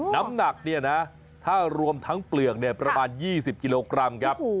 น้ำหนักถ้ารวมทั้งเปลือกประมาณ๒๐กิโลกรัม